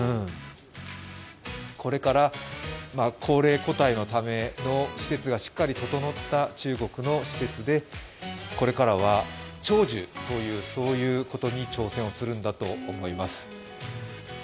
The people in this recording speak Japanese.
これから高齢個体のための施設がしっかり整った中国の施設でこれからは長寿ということに挑戦をするんだと思います。